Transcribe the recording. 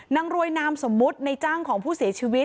นางรวยนามสมมุติในจ้างของผู้เสียชีวิต